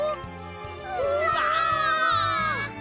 うわ！